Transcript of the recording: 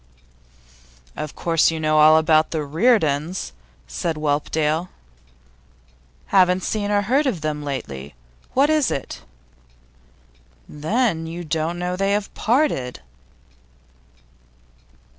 'Of course you know all about the Reardons?' said Whelpdale. 'Haven't seen or heard of them lately. What is it?' 'Then you don't know that they have parted?